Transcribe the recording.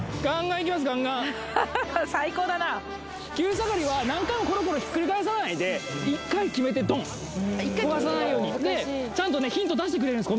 サガリは何回もコロコロひっくり返さないで１回決めてドン焦がさないようにちゃんとねヒント出してくれるんです